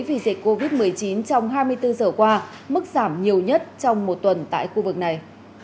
vì dịch covid một mươi chín trong hai mươi bốn giờ qua mức giảm nhiều nhất trong một tuần tại khu vực này